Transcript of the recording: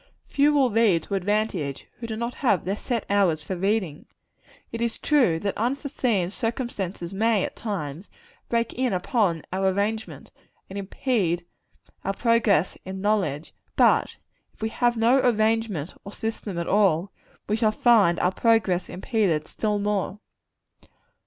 Few will read to advantage, who have not their set hours for reading. It is true, that unforeseen circumstances may, at times, break in upon our arrangement, and impede our progress in knowledge; but if we have no arrangement or system at all, we shall find our progress impeded still more.